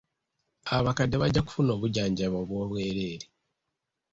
Abakadde bajja kufuna obujjanjabi obw'obwereere.